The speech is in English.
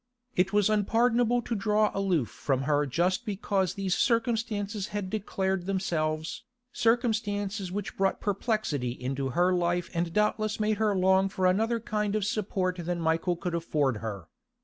It was unpardonable to draw aloof from her just because these circumstances had declared themselves, circumstances which brought perplexity into her life and doubtless made her long for another kind of support than Michael could afford her.